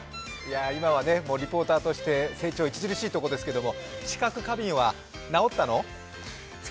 今はリポーターとして成長著しいところですけれども、知覚過敏は治ったの？